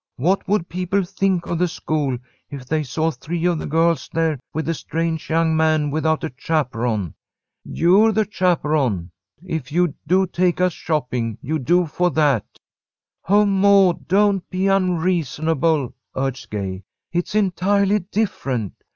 What would people think of the school if they saw three of the girls there with a strange young man without a chaperon?" "You're the chaperon. If you'd do to take us shopping, you'd do for that." "Oh, Maud, don't be unreasonable," urged Gay. "It's entirely different.